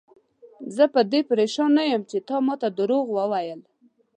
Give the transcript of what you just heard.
زه په دې پریشان نه یم چې تا ماته دروغ وویل.